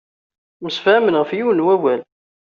Msefhamen ɣef yiwen n wawal.